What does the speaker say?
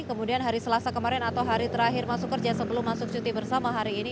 kemudian hari selasa kemarin atau hari terakhir masuk kerja sebelum masuk cuti bersama hari ini